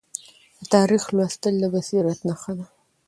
د تاریخ لوستل د بصیرت نښه ده.